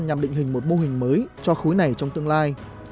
nhằm định hình một mô hình mới cho khối này trong tương lai